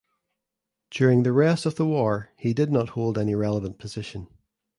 During the rest the war he did not hold any relevant position.